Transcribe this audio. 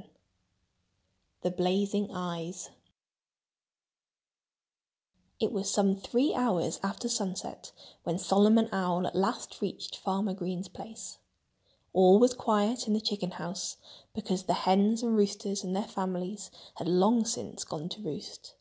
VII The Blazing Eyes It was some three hours after sunset when Solomon Owl at last reached Farmer Green's place. All was quiet in the chicken house because the hens and roosters and their families had long since gone to roost.